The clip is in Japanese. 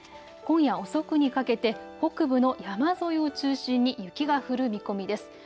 今夜遅くにかけて北部の山沿いを中心に雪が降る見込みです。